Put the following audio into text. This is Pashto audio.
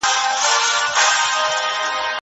د خدای پر مځکه یو خواخوږی، یو خمسور نه لري